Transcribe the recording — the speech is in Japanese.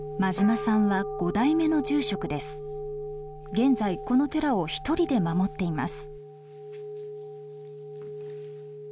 現在この寺を一人で守っています。